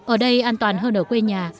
ở đây an toàn hơn ở quê nhà